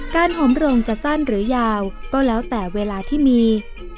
หอมโรงจะสั้นหรือยาวก็แล้วแต่เวลาที่มี